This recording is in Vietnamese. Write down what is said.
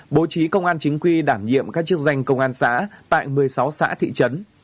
bố trí công an chính quy đảm nhiệm các chức danh công an xã tại một mươi sáu xã thị trấn